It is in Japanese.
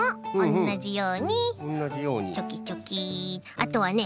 あとはね